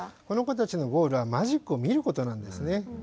この子たちのゴールはマジックを見ることなんですね。